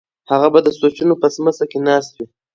هغه به د سوچونو په سمڅه کې ناست وي.